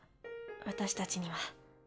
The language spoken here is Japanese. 私たちには。